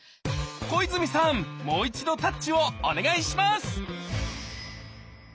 小泉さんもう一度「タッチ」をお願いします